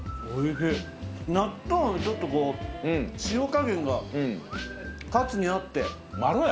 納豆のちょっとこう塩加減がかつに合って。